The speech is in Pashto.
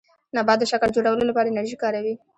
نبات د شکر جوړولو لپاره انرژي کاروي